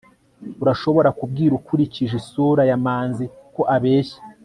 urashobora kubwira ukurikije isura ya manzi ko abeshya